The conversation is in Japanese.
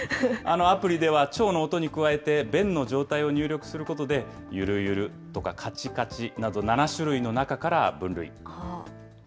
アプリでは腸の音に加えて、便の状態を入力することで、ユルユルとかカチカチなど、７種類の中から分類。